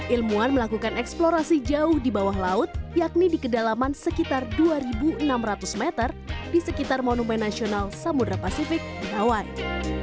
ilmuwan melakukan eksplorasi jauh di bawah laut yakni di kedalaman sekitar dua enam ratus meter di sekitar monumen nasional samudera pasifik mengawai